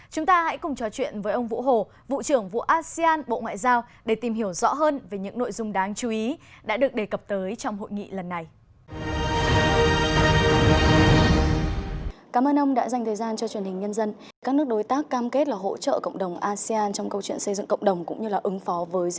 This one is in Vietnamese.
chúng ta hãy cùng trò chuyện với ông vũ hồ vụ trưởng vụ asean bộ ngoại giao để tìm hiểu rõ hơn về những nội dung đáng chú ý đã được đề cập tới trong hội nghị lần này